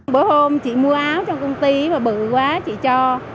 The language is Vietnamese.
bữa hôm chị mua áo trong công ty và bự quá chị cho